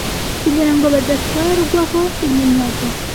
kugira ngo badatwarwaho iminyago